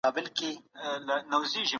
انتقادي روحيه لوی ارزښت لري.